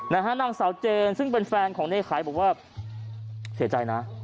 นะฮะนางเสาเจนซึ่งเป็นแฟนของเนธไข่บอกว่าเสียใจนะ